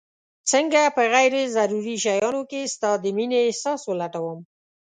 څنګه په غير ضروري شيانو کي ستا د مينې احساس ولټوم